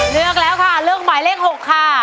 เลือกแล้วค่ะเลือกหมายเลข๖ค่ะ